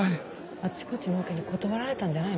あちこちのオケに断られたんじゃないの？